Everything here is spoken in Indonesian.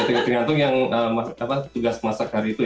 ya tiga tiga tiga itu yang tugas masak hari itu ya